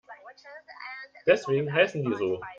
Deswegen heißen die so.